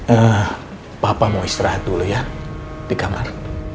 eh papa mau istirahat dulu ya di kamar